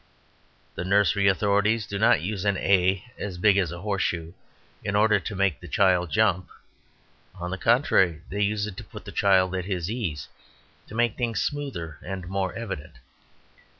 The nursery authorities do not use an A as big as a horseshoe in order to make the child jump; on the contrary, they use it to put the child at his ease, to make things smoother and more evident.